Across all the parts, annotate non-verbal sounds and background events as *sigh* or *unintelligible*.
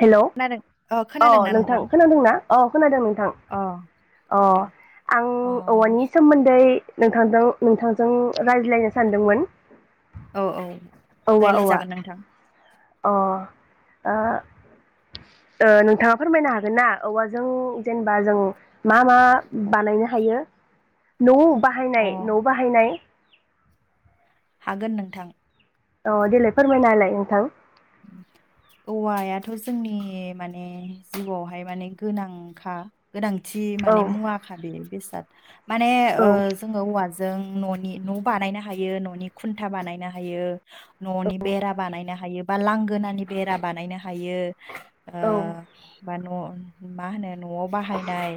Hello अ नोंथां खोनादोंना? अ खोनादों नोंथां अ अ खोनादों आं अ औवानि सोमोन्दै नोंथां जों नोंथांजों रायज्लायनो सानदोंमोन औ औ औवा औवा रायलायजागोन नोंथां अ ओ ओ नोंथाङा फोरमायनो हागोन ना औवाजों जेनेबा जों मा मा बानायनो हायो न' अ बाहायनाय न' बाहायनाय हागोन नोंथां औ देलाय फोरमायना होलाय नोंथां औवायाथ' जोंनि माने जिउआवहाय माने गोनांखा गोनांथि औ माने मुवाखा बे बेसे दाद माने औ ओ जोङो औवा जों न' नि नबानायनो हायो न' नि खुन्था बानायनो हायो। औ न'नि बेरा बानायनो हायो। बा लांगोनानि बेरा बानायनो हायो। ओ औ बा न' मा होनो न'आव बाहायनाय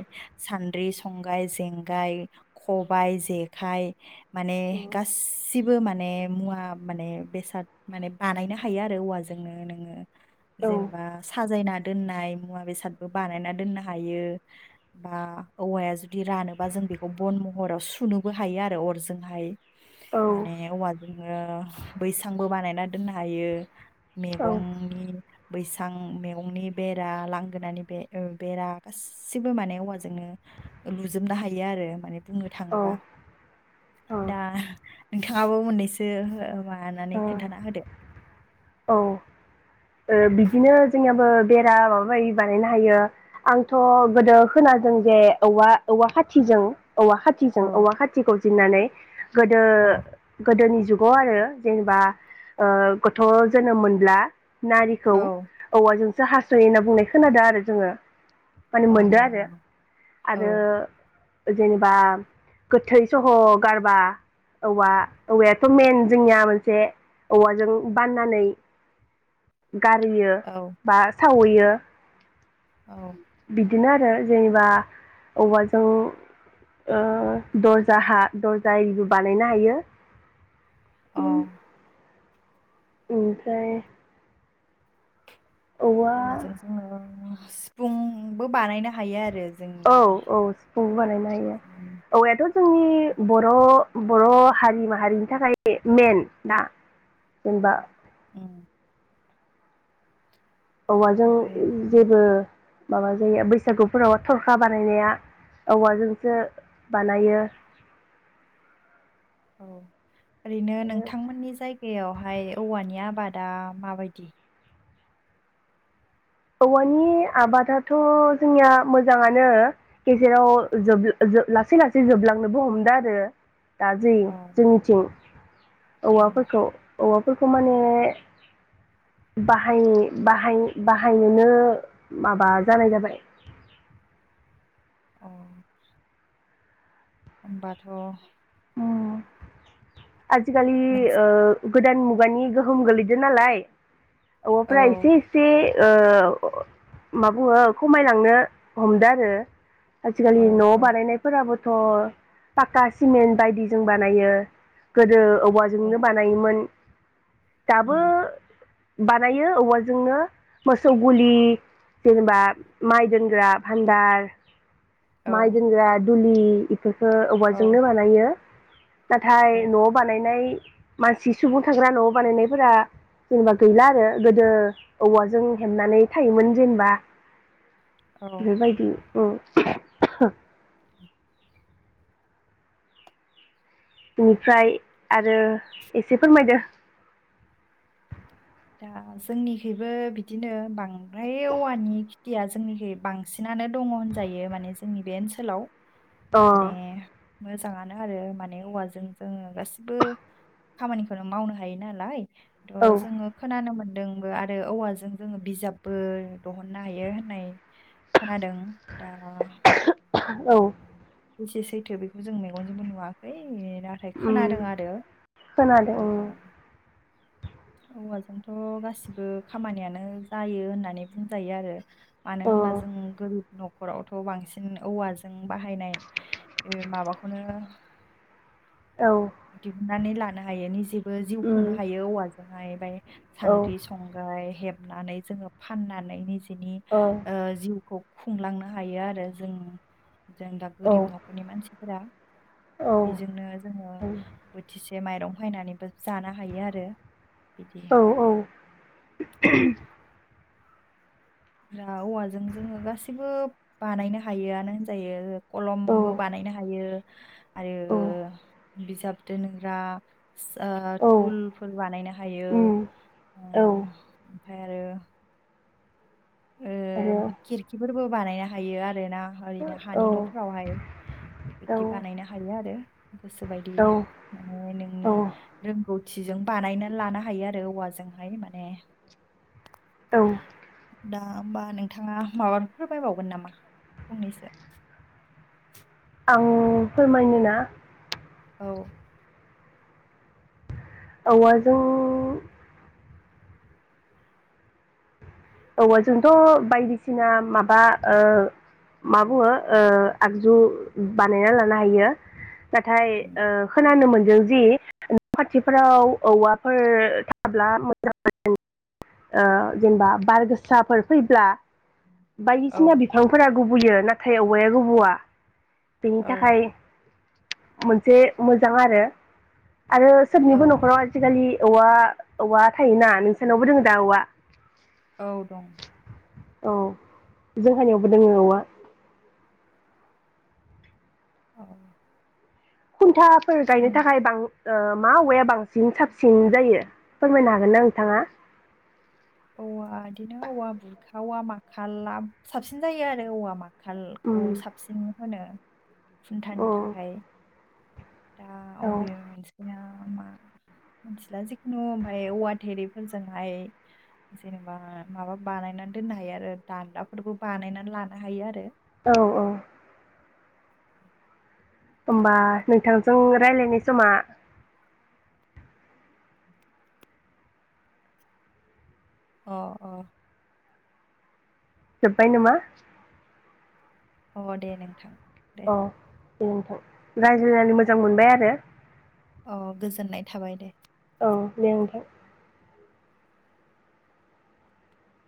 सान्द्रि संग्राइ जेंगाय खबायाइ जेखाइ माने गासै बो माने मुवा माने बेसाद माने बानायनो हायो आरो। औवाजोंनो नोङो औ जेनेबा साजायना दोननाय मुवा बेसादबो बानायना दोननो हायो बा औवाया जुदि रानोबा जों बेखौ बन महराव सुनोबो हायो आरो अरजोंहाय। माने औवा जोङो बैसांबो बानायना दोननो हायो। औ मैगंनि बैसां मेगंनि बेरा लांगोनानि बे बेरा गासिबो माने औवाजोंनो लुजोबनो हायो आरो माने बुंनो थाङोबा औ दा नोंथाङाबो मोननैसो ओ मानानै खोन्थाना होदो। औ ओ बिदिनो जोंनियाबो बेरा माबा माबि बानायनो हायो आंथ' गोदो खादों जे औवा औवा खाथिजों औवा खााथिजों औ औवा खााथिखौ जिन्नानै गोदो औ गोदोनि जुगाव आरो जेनेबा ओ गथ' जोनोम मोनब्ला नारिखौ औ औवाजों सो हासयो होनना बुंनाय खोनादों आरो जोङो। माने मोनदों आरो। अ औ आरो जेनेबा गोथै सह गारबा औवा औवायाथ' मेन जोंनिया मोनसे औवाजों बाननानै *unintelligible* गारियो औ बा सावैयो। औ बिदिनो आरो जेनेबा औवाजों ओ दर्जा हा दरजा एरिबो बानायनो हायो। अ ओमफ्राय औवा औवाजों जोङो सिफुंबो बानायनो हायो आरो। जोंनि औ औ सिफुंबो बानायनो हायो जोंनि औवायाथ जोंनि बर' बर' हारि माहारिनि थाखाय मेन दा जेनेबा उम औवाजों ओमफ्राय जों जेबो माबा जायो बैसागुफोराव थरखा बानायनाया औवाजोंसो बानायो औ ओरैनो आरो नोंथांमोननि जायगायावहाय औवानि आबाद आबादा माबायदि औवानि आबादाथ' जोंनिया मोजांङानो गेजेराव लासै लासै जोबलांनोबो हमदों आरो दाजै औ जोंनिथिं औ औवाफोरखौ औवाफोरखौ माने बाहाय बाहाय बाहायनोनो माबा जानाय जाबाय औ होनोमबाथ' अम नोंस आजिखालि गोदान मुगानि गोहोम गोलैदों नालाय औ औवाफोरा एसे एसे ओ मा बुङो खमायलांनो हमदो आरो औ आजिखालि न' औ बानायनायफोराबो थ' पाका सिमेन्ट बायदि जों बानायो गोदो औवाजोंनो औ बानायोमोन दाबो उम बानायो औवाजोंनो मोसौ गुलि जेनेबा माइ दोनग्रा भान्दार औ माइ दोनग्रा दुलि बेखौ औ औवाजोंनो बानायो। औ नाथाय न'आव बानायनाय मानसि सुबुं थाग्रा न' बानायनायफोरा जेनेबा गैला आरो गोदो औवाजों हेबनानै थायोमोन जेनेबा औ बेबायदि औ *unintelligible* बेनिफ्राय आरो एसे फोरमायदो दा जोंनिखैबो बिदिनो बांद्राय औवानि खेथिया जोंनिखै बांसिनानो दङ होनजायो माने जोंनि बे ओनसोलाव अ माने मोजाङानो आरो माने औवाजों जोङो गासिबो खामानिखौनो मावनो हायो नालाय थ' औ जोङो खोनानो मोन मोनदोंबो आरो औवाजों जोङो बिजाबबो दिहुननो हायो होननाय खोनादों दा औ जेसे सैथो बेखौ जों मेगनजोंबो नुवाखै ए नाथाय उम खोनादों आरो खोनादों उम औवाजोंथ' गासिबो खामानियानो जायो होननानै बुंजायो आरो अ मानो होनबा जों गोरि न'खरावथ' बांसिन औवाजों बाहायनाय ओ माबाखौनो औ। नानै लानो हायोनि जि जिउ उम खुंनो औ हायो औवाजों बायबाय औ सानद्रि, संग्राय हेबनानै जोङो फाननानै बिनि औ ओ जिउखौ खुंलांनो हायो आरो जों जों दा गोरिब न'खरनि मानसिफोरा औ बेजोंनो जोङो बोथिसे जे माइरं फायनानैबो जानो हायो आरो बिदि औ औ दा औवाजों जोङो गासिबो बानायनो हायोआनो होनजायो कलमबो बानायनो हायो आरो बिजाब दोनग्रा सा औ तुुलफोर बानायनो हायो उम औ ओमफ्राय आरो ओ आरो औ खिरखिफोरबो बानायना थायो आरोना। औ ओरैनो औ हानि न'फोरावहाय बेबायदि बानायनो हायो आरो गोसोबायदि माने औ नोंनि रोंगौथिजों बानायनानै लानो हायो आरो औवाजोंहाय माने औ। दा होमबा नोंथाङा माबाफोर फोरमायबावगोन नामा फंनैसो आं फोरमायनो ना औ। औवाजों औवाजोंथ' बायदिसिना माबा ओ मा बुङो ओ आगजु बानायना लानो हायो। नाथाय उम ओ खोनानो मोन जोंदि न' खाथिफोराव औवाफोर थाब्ला मोजां ओ जेनेबा बार गोसाफोर फैब्ला औ बायदिसिना बिफांफोरा गुबुयो नाथाय औवाया गुबुआ बेनि औ थाखाय मोनसे मोजां आरो आरो औ सोबनिबो न'खराव आजिखालि औवा औवा थायोना नोंसानावबो दङ' दा औवा औ दं औ जोंहानियावबो दोङो औवा अ खुन्था फोर गायनो थाखाय बां ओ मा औवाया बांसिन साबसिन जायो फोरमायनो हागोन ना नोंथाङा? औवा इदिनो औवा बुरखा औवा माखाला साबसिन जायो आरो औवा मा उम खालखौ साबसिन होनो औ खुन्थानि थाखाय दा औ अबेयो मोनसेया मा मिथिला जिखुनु ओमफाय औवा थेरिफोरजोंहाय जेनेबा माबा बानायनानै दोननो हायो आरो दान्दाफोरबो बानायनानै लानो हायो आरो औ औ होमबा नोंथांजों रायलायनाय समा अ अ जोब्बाय नामा? अ दे नोंथां दे औ दे नोंथां रायज्लायनानै मोजां मोनबाय आरो अ गोजोननाय थाबाय दे अ दे नोंथां